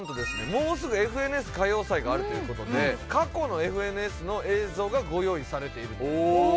もうすぐ『ＦＮＳ歌謡祭』があるということで過去の『ＦＮＳ』の映像がご用意されていると。